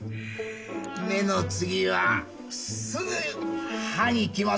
目の次はすぐ歯にきますよ。